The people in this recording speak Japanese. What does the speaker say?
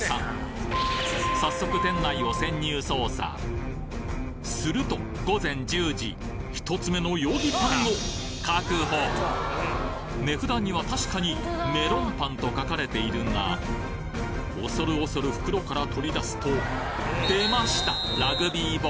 早速店内をすると午前１０時ひとつ目の値札には確かにメロンパンと書かれているがおそるおそる袋から取り出すと出ました